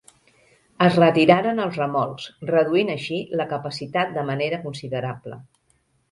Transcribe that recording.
Es retiraren els remolcs, reduint així la capacitat de manera considerable.